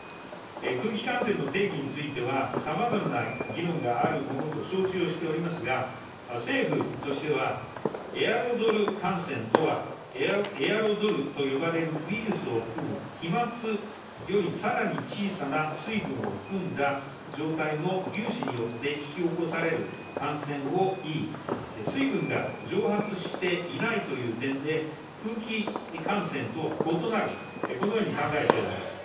空気感染の定義については、さまざまな議論があるものと承知をしておりますが、政府としては、エアロゾル感染とは、エアロゾルと呼ばれるウイルスを含む、飛まつよりさらに小さな水分を含んだ状態の粒子によって引き起こされる感染をいい、水分が蒸発していないという点で、空気感染とは異なる、このように考えております。